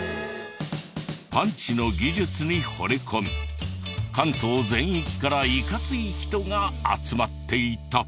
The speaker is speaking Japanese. パンチの技術にほれ込み関東全域からいかつい人が集まっていた。